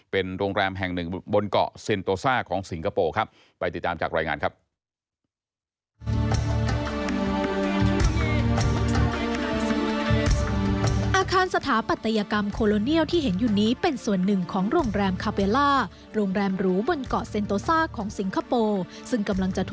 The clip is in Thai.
เป็นโรงแรมแห่งหนึ่งบนเกาะเซ็นโตซ่าของสิงคโปร์ครับ